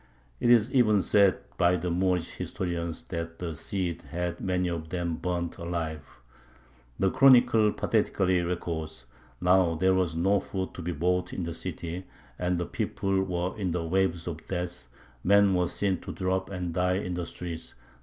It is even said by the Moorish historians that the Cid had many of them burnt alive. The Chronicle pathetically records: "Now there was no food to be bought in the city, and the people were in the waves of death; and men were seen to drop and die in the streets."